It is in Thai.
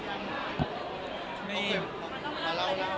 ก็ไม่มีการกดดันอะไรกัน